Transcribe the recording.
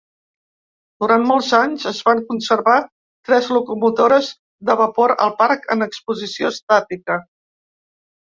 Durant molts anys, es van conservar tres locomotores de vapor al parc en exposició estàtica.